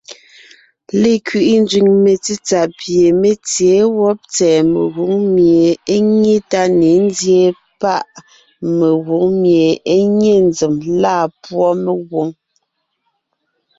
Lekẅiʼi nzẅìŋ metsítsà pie mé tsěen wɔ́b tsɛ̀ɛ megwòŋ mie é nyé tá ne nzyéen páʼ mengwòŋ mie é nye nzèm lâ púɔ mengwòŋ.